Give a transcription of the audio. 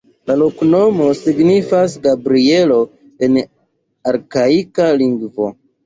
La loknomo signifas Gabrielo en arkaika lingvo.